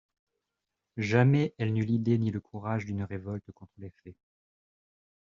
Jamais elle n'eut l'idée ni le courage d'une révolte contre les faits.